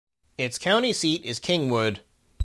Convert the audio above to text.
Its county seat is Kingwood.